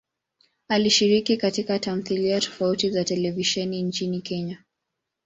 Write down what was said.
Alishiriki katika tamthilia tofauti za televisheni nchini Kenya.